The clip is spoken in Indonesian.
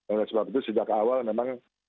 oleh sebab itu sejak awal memang